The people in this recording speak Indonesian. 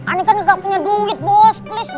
ane kan gak punya duit bos please deh